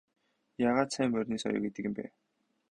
Яагаад сайн морины соёо гэдэг юм бэ?